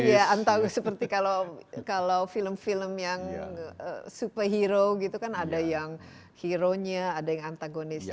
ya antago seperti kalau film film yang superhero gitu kan ada yang heronya ada yang antagonisnya